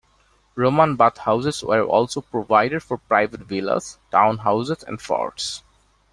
Roman bath-houses were also provided for private villas, town houses, and forts.